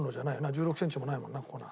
１６センチもないもんなこんな。